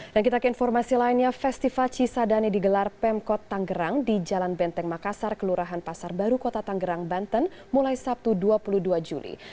dan kita ke informasi lainnya festival cisadani digelar pemkot tanggerang di jalan benteng makassar kelurahan pasar baru kota tanggerang banten mulai sabtu dua puluh dua juli